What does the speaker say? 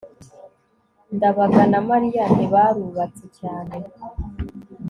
ndabaga na mariya ntibarubatse cyane